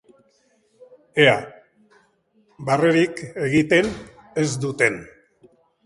Ea barrerik egiten ez duten!